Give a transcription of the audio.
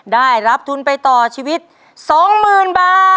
ได้รับทุนไปต่อชีวิต๒บ้าน